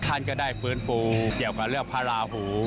ท่านก็ได้ฟื้นฟูเกี่ยวกับเรื่องพระราหู